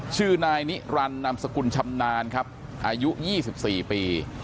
ชื่อนายนิรันดินามสกุลชำนาญครับอายุ๒๔ปี